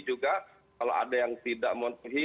juga kalau ada yang tidak memenuhi